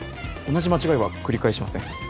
同じ間違いは繰り返しません。